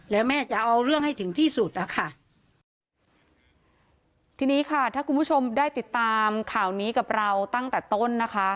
แล้วแม่จะเอาเรื่องให้ถึงที่สุดอ่ะค่ะทีนี้ค่ะถ้าคุณผู้ชมได้ติดตามข่าวนี้กับเราตั้งแต่ต้นนะคะ